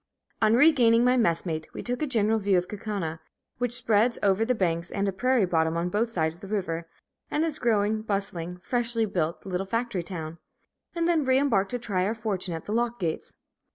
On regaining my messmate, we took a general view of Kaukauna, which spreads over the banks and a prairie bottom on both sides of the river, and is a growing, bustling, freshly built little factory town, and then re embarked to try our fortune at the lock gates.